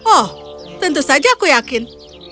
oh tentu saja aku yakin